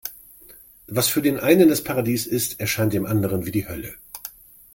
Was für den einen das Paradies ist, erscheint dem anderem wie die Hölle.